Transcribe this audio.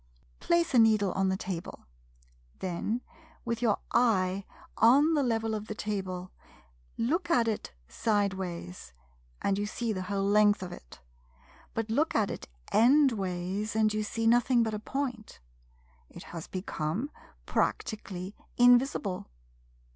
Place a needle on the table. Then, with your eye on the level of the table, look at it side ways, and you see the whole length of it; but look at it end ways, and you see nothing but a point, it has become practically invisible.